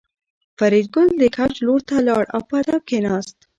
فریدګل د کوچ لور ته لاړ او په ادب کېناست